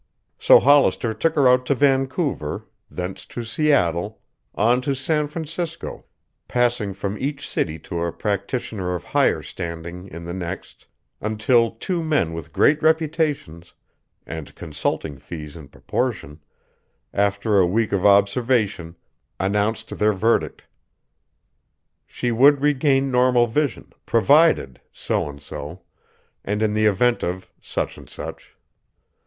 So Hollister took her out to Vancouver, thence to Seattle, on to San Francisco, passing from each city to a practitioner of higher standing in the next, until two men with great reputations, and consulting fees in proportion, after a week of observation announced their verdict: she would regain normal vision, provided so and so and in the event of such and such.